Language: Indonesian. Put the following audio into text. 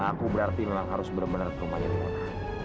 aku berarti memang harus bener bener ke rumahnya winona